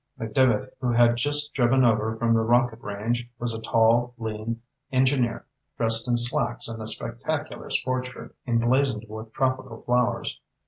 McDevitt, who had just driven over from the rocket range, was a tall, lean engineer dressed in slacks and a spectacular sport shirt emblazoned with tropical flowers.